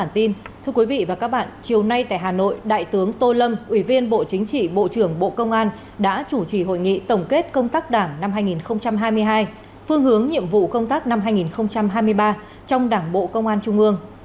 thưa quý vị và các bạn chiều nay tại hà nội đại tướng tô lâm ủy viên bộ chính trị bộ trưởng bộ công an đã chủ trì hội nghị tổng kết công tác đảng năm hai nghìn hai mươi hai phương hướng nhiệm vụ công tác năm hai nghìn hai mươi ba trong đảng bộ công an trung ương